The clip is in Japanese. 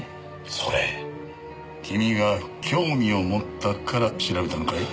それ君が興味を持ったから調べたのかい？